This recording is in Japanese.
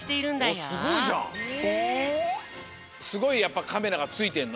すごいカメラがついてんの？